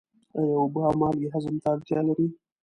آیا اوبه او مالګې هضم ته اړتیا لري؟